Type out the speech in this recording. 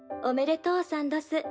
「おめでとうさんどす」。